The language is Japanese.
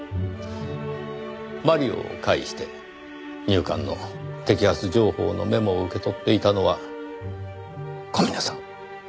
マリオを介して入管の摘発情報のメモを受け取っていたのは小峰さん